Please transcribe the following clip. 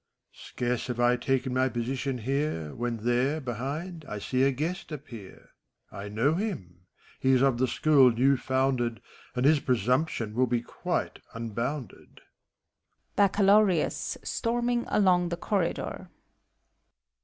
Scarce have I taken my position here, When there, behind, I see a guest appear. I know him ; he is of the school new founded, And his presumption will be quite unbounded. • baccalaureus (storming along the corridor).